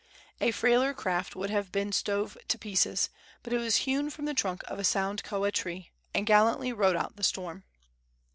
A frailer craft would have been stove to pieces; but it was hewn from the trunk of a sound koa tree, and gallantly rode out the storm.